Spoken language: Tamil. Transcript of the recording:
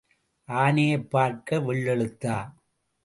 ஆனையைப் பார்க்க வெள்ளெழுத்தா?